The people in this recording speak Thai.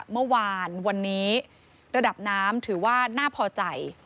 เมื่อวานวันนี้ระดับน้ำถือว่าน่าพอใจ